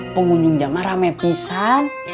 pengunjung jama rame pisan